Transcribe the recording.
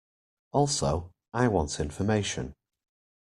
Also, I want information.